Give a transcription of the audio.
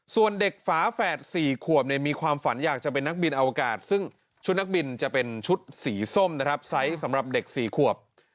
ส่วนเด็กฝาแฝด๔ขวบมีความฝันอยากจะเป็นนักบินอวกาศซึ่งชุดนักบินจะเป็นชุดสีส้มนะครับไซส์สำหรับเด็ก๔ขวบ